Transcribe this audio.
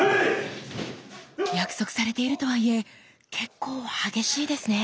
約束されているとはいえ結構激しいですね。